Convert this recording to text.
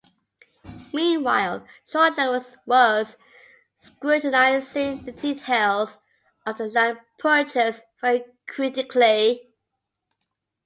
Meanwhile, Shortland was scrutinizing the details of the land purchase very critically.